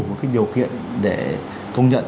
cái điều kiện để công nhận